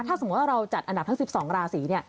ถ้าสมมุติว่าเราจัดอันดับทั้ง๑๒ราศีเนี่ย